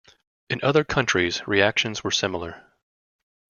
In other countries, reactions were similar.